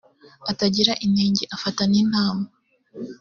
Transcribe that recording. atagira inenge afate n intama